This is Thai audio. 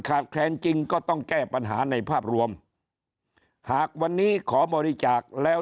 แคลนจริงก็ต้องแก้ปัญหาในภาพรวมหากวันนี้ขอบริจาคแล้ว